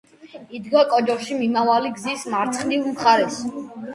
იდგა კოჯორში მიმავალი გზის მარცხნივ მხარეს.